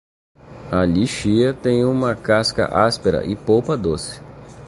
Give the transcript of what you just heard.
A lichia tem uma casca áspera e polpa doce.